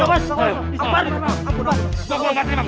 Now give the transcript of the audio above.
kak bos kak bos